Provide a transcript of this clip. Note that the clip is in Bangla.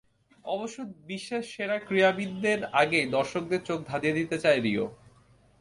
অবশ্য বিশ্বের সেরা ক্রীড়াবিদদের আগেই দর্শকদের চোখ ধাঁধিয়ে দিতে চায় রিও।